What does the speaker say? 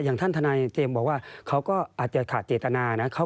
อย่างท่านทนายเจมส์บอกว่าเขาก็อาจจะขาดเจตนานะ